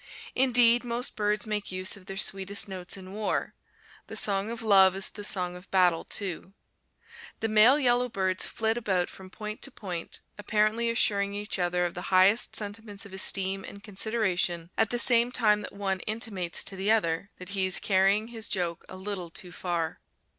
Indeed, most birds make use of their sweetest notes in war. The song of love is the song of battle too. The male yellowbirds flit about from point to point, apparently assuring each other of the highest sentiments of esteem and consideration, at the same time that one intimates to the other that he is carrying his joke a little too far.